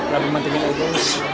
lebih pentingnya itu berapa